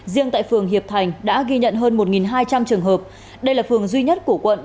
riêng tại phường hiệp thành đã ghi nhận hơn một hai trăm linh trường hợp đây là phường duy nhất của quận